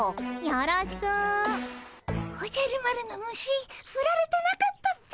おじゃる丸の虫ふられてなかったっピ。